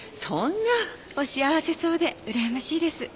お幸せそうでうらやましいです。